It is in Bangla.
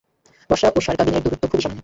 বসরা ও শারকাবীনের দূরত্ব খুবই সামান্য।